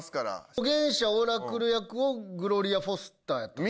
預言者オラクル役をグロリア・フォスターやったかな。